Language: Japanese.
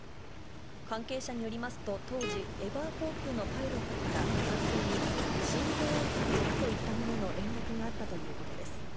関係者によりますと、当時、エバー航空のパイロットから管制に振動を感じるといった旨の連絡があったということです。